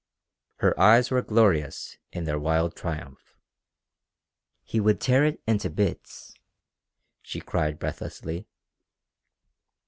Her eyes were glorious in their wild triumph. "He would tear it into bits," she cried breathlessly.